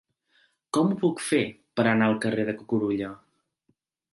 Com ho puc fer per anar al carrer de Cucurulla?